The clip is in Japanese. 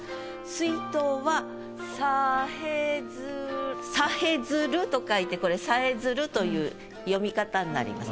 「水筒はさへづ」「さへづる」と書いてこれ「さえずる」という読み方になります。